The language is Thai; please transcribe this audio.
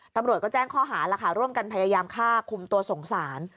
ตำรวจก็แจ้งข้อหาแล้วค่ะร่วมกันพยายามฆ่าคุมตัวสงสาร